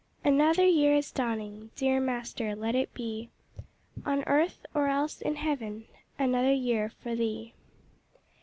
Another year is dawning! Dear Master, let it be On earth, or else in heaven, Another year for Thee!